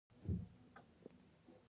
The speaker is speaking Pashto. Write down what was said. مناوله مانا بخښل، يا ورکول ده.